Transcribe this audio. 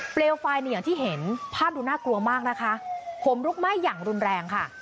เลวไฟเนี่ยอย่างที่เห็นภาพดูน่ากลัวมากนะคะผมลุกไหม้อย่างรุนแรงค่ะ